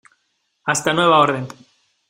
hasta nueva orden.